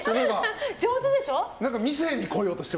上手でしょ？